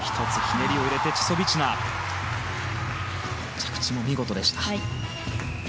着地も見事でした。